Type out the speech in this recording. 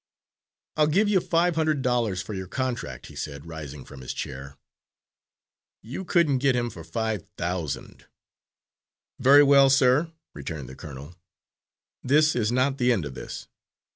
"I'll give you five hundred dollars for your contract," he said rising from his chair. "You couldn't get him for five thousand." "Very well, sir," returned the colonel, "this is not the end of this.